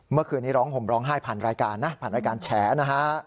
เมื่อคืนนี้ร้องห่มร้องไห้ผ่านรายการนะผ่านรายการแฉนะฮะ